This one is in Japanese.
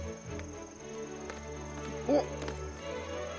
おっ。